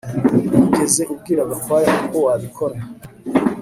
Wigeze ubwira Gakwaya uko wabikora